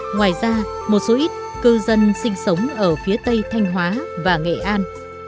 ngoài ra một số ít cư dân sinh sống ở phía tây thanh hóa và nghệ an